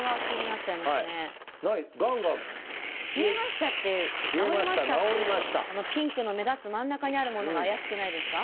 「消えました」って「治りました」ってピンクの目立つ真ん中にあるものが怪しくないですか？